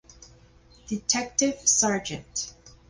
Detective Sgt.